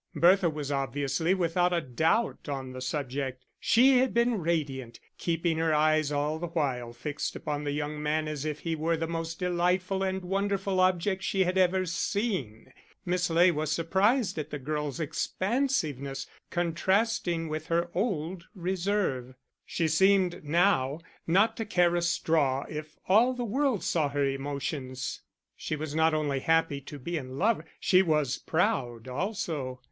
Bertha was obviously without a doubt on the subject. She had been radiant, keeping her eyes all the while fixed upon the young man as if he were the most delightful and wonderful object she had ever seen. Miss Ley was surprised at the girl's expansiveness, contrasting with her old reserve. She seemed now not to care a straw if all the world saw her emotions. She was not only happy to be in love, she was proud also.